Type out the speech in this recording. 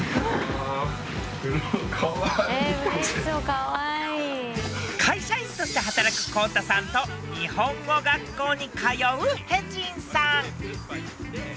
更に会社員として働くこうたさんと日本語学校に通うヘジンさん。